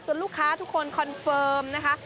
ลูกค้าทุกคนคอนเฟิร์มนะคะ